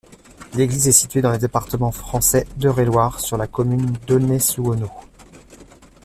L'église est située dans le département français d'Eure-et-Loir, sur la commune d'Aunay-sous-Auneau.